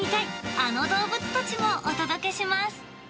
あの動物たちもお届けします。